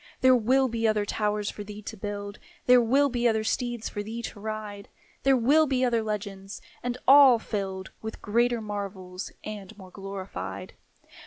There will be other towers for thee to build; There will be other steeds for thee to ride; There will be other legends, and all filled With greater marvels and more glorified.